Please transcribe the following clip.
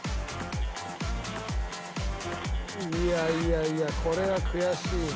いやいやいやこれは悔しいな。